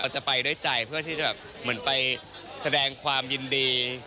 จะไปด้วยใจเพื่อที่จะแบบเหมือนไปแสดงความยินดี